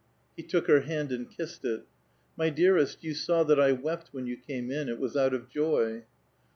He took her hand and kissed it. " My dearest, you saw that I wept when 3'ou came in ; it was out of joy."